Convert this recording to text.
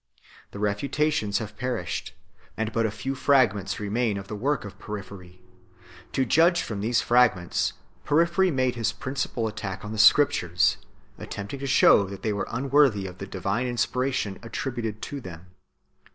The refutations have perished, and but a few fragments 1 remain of the work of Porphyry. To judge from these fragments, Porphyry made his principal attack 011 the Scriptures, attempting to show that they were unworthy of the divine inspiration attributed to them.